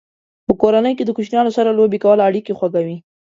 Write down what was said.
په کورنۍ کې د کوچنیانو سره لوبې کول اړیکې خوږوي.